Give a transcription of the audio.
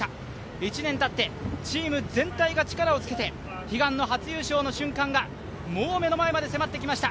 １年たって、チーム全体が力をつけて悲願の初優勝の瞬間がもう目の前まで迫ってきました。